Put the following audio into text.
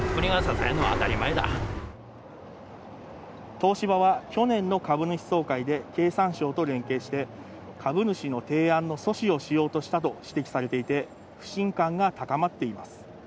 東芝は、去年の株主総会で経産省と連携して、株主の提案の阻止をしようとしたと指摘されていて不信感が高まっています。